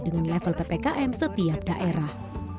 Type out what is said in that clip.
dengan level ppkm setiap daerah